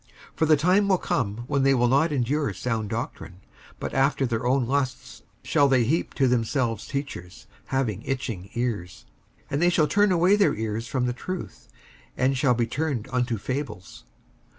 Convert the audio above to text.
55:004:003 For the time will come when they will not endure sound doctrine; but after their own lusts shall they heap to themselves teachers, having itching ears; 55:004:004 And they shall turn away their ears from the truth, and shall be turned unto fables.